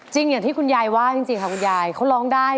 อย่างที่คุณยายว่าจริงค่ะคุณยายเขาร้องได้